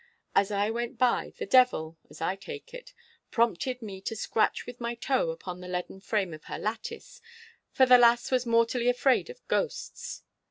As I went by, the devil (as I take it) prompted me to scratch with my toe upon the leaden frame of her lattice, for the lass was mortally afraid of ghosts.